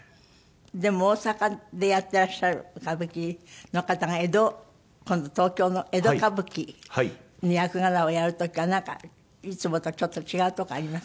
でも大阪でやっていらっしゃる歌舞伎の方が江戸今度東京の江戸歌舞伎の役柄をやる時はなんかいつもとちょっと違うとこあります？